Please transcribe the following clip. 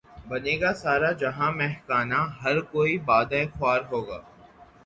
بنے گا سارا جہان مے خانہ ہر کوئی بادہ خوار ہوگا